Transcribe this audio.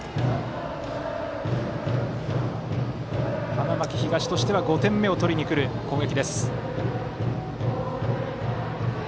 花巻東としては５点目を取りに来る攻撃。